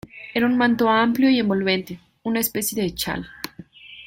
Era un manto amplio y envolvente, una especie de chal.